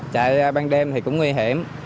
chạy ban đêm thì cũng nguy hiểm